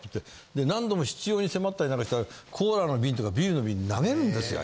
何度も執拗に迫ったりなんかしたらコーラの瓶とかビールの瓶投げるんですよ